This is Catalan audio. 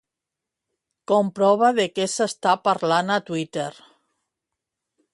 Comprova de què s'està parlant a Twitter.